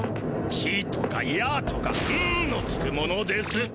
「ち」とか「や」とか「ん」のつくものです。